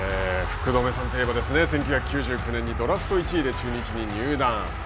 福留さんといえば１９９９年にドラフト１位で中日に入団。